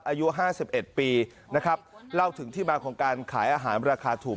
อายุ๕๑ปีนะครับเล่าถึงที่มาของการขายอาหารราคาถูก